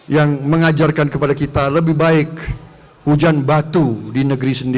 yang mengajarkan kepada kita lebih baik hujan batu di negeri sendiri